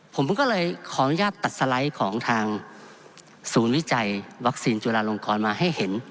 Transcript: ผมก็เลยขออนุญาตตัดสไลด์ของทางศูนย์วิจัยวัคซีนจุลาลงกรมาให้เห็น